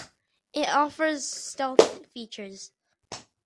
It offers stealth features.